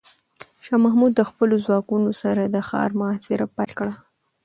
شاه محمود د خپلو ځواکونو سره د ښار محاصره پیل کړه.